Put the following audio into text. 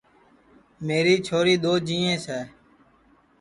میری چھوری دؔو جِیئینٚس ہے